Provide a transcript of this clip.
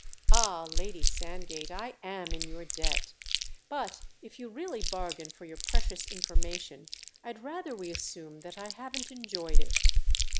"Ah, Lady Sandgate, I am in your debt, but if you really bargain for your precious information I'd rather we assume that I haven't enjoyed it."